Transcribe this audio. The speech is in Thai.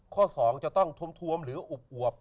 ข้อสองจะต้องท้มทวมหรืออุบอวบ